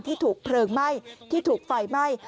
ที่ถูกเพลิงไหม้ที่ถูกไฟไหม้